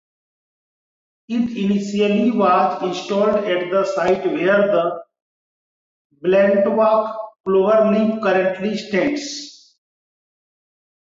It initially was installed at the site where the Balintawak Cloverleaf currently stands.